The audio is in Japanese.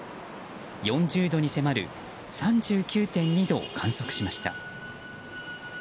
４０度に迫る３９．２度を観測しました。